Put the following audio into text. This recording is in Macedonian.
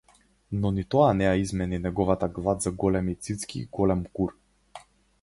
Но ни тоа не ја измени неговата глад за големи цицки и голем кур.